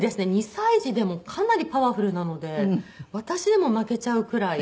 ２歳児でもかなりパワフルなので私でも負けちゃうくらい。